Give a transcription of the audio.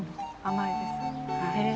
甘いです。